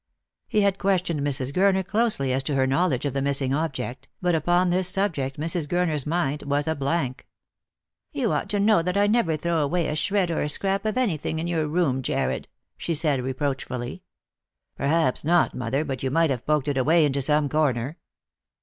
He had questioned Mrs. Gurner closely as to her knowledge of the missing object, but upon this subject Mrs. Gurner's mind was a blank. " You ought to know that I never throw away a shred or a scrap of anything in your room, Jarred," she said reproach fully. " Perhaps not, mother; but you might have poked it away into some corner."